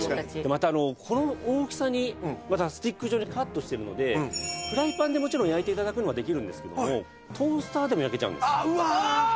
またこの大きさにスティック状にカットしてるのでフライパンでもちろん焼いて頂くのはできるんですけどトースターでも焼けちゃうんです。